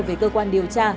về cơ quan điều tra